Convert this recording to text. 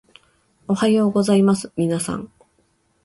おはようございますみなさん